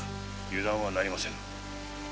油断は出来ませぬ。